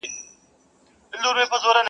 o ګیله مي ډېره درنه کيږي آشنا,